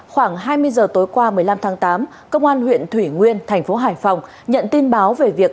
khoảng hai mươi giờ tối qua một mươi năm tháng tám công an huyện thủy nguyên thành phố hải phòng nhận tin báo về việc